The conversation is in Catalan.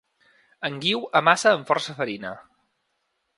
En Guiu amassa amb força farina.